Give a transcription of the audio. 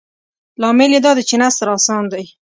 لامل یې دادی چې نثر اسان دی.